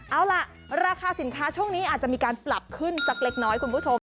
เอาล่ะราคาสินค้าช่วงนี้อาจจะมีการปรับขึ้นสักเล็กน้อยคุณผู้ชม